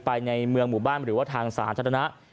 ไปในเมืองหมู่บ้านหรือว่าทางสาหร่อชะระณะ